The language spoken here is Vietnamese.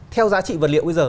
theo giá trị vật liệu bây giờ